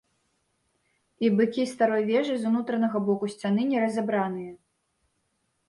І быкі старой вежы з унутранага боку сцяны не разабраныя.